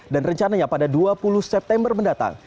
dan rencananya pada dua puluh september mendatang